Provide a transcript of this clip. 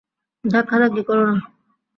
ধাক্কাধাক্কি করো না।